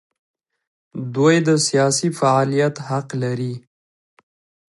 دوی د سیاسي فعالیت حق لري.